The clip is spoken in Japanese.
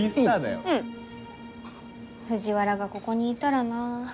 藤原がここにいたらな